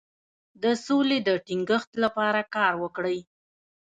د سولې د ټینګښت لپاره کار وکړئ.